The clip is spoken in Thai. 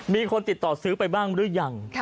มีคนติดต่อซื้อไปบ้างหรือยัง